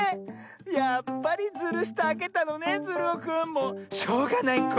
やっぱりズルしてあけたのねズルオくんもうしょうがないこ。